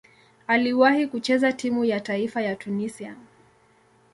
Aliwahi kucheza timu ya taifa ya Tunisia.